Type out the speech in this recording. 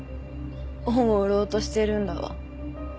恩を売ろうとしてるんだわ。